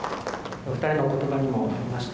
お二人の言葉にもありました